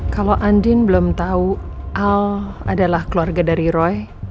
kalau andin belum tahu al adalah keluarga dari roy